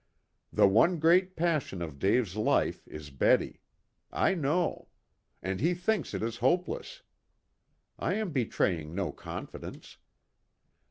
"The one great passion of Dave's life is Betty. I know. And he thinks it is hopeless. I am betraying no confidence.